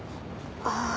ああ。